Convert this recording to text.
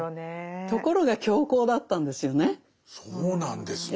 ところが強行だったんですよね。